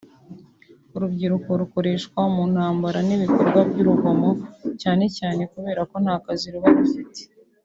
Urubyiruko rukoreshwa mu ntambara n’ibikorwa by’urugomo cyane cyane kubera ko nta kazi ruba rufite